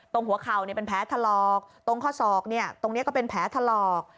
ตรงหัวเขาเนี่ยเป็นแผลทะลอกตรงข้อศอกเนี่ยตรงเนี่ยก็เป็นแผลทะลอก